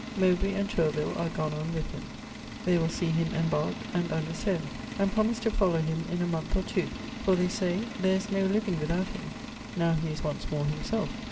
Mowbray and Tourville are gone on with him. They will see him embark, and under sail; and promise to follow him in a month or two; for they say, there is no living without him, now he is once more himself.